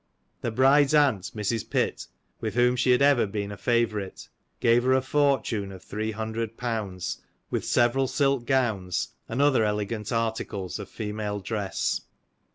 The bride's aunt, Mrs. Pitt, with whom she had ever been a favourite, gave her a fortune of three hundred pounds, with several silk gowns, and other elegant articles of female dress.